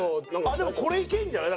でもこれいけるんじゃない？